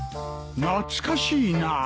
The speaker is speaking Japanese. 懐かしいなぁ。